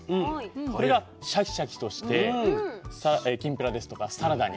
これがシャキシャキとしてきんぴらですとかサラダに。